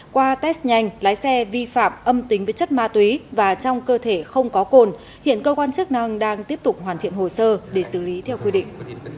qua test nhanh lái xe vi phạm âm tính với chất ma túy và trong cơ thể không có cồn hiện cơ quan chức năng đang tiếp tục hoàn thiện hồ sơ để xử lý theo quy định